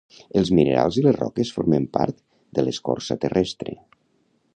Els minerals i les roques formen part de l'escorça terrestre.